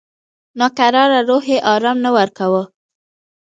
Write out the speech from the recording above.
ناکراره روح یې آرام نه ورکاوه.